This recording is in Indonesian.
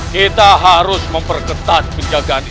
kita harus memperketat menjaga diri